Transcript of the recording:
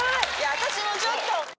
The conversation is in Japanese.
私もちょっと。